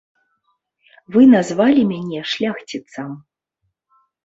Вы назвалі мяне шляхціцам.